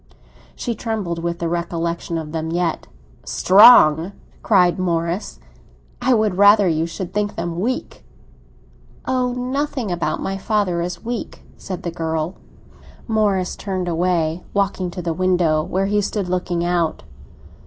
She trembled with the recollection of them yet. "Strong?" cried Morris. "I would rather you should think them weak." "Oh, nothing about my father is weak!" said the girl. Morris turned away, walking to the window, where he stood looking out.